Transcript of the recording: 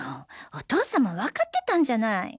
お父さんもわかってたんじゃない